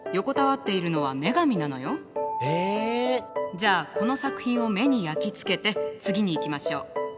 じゃあこの作品を目に焼き付けて次にいきましょう。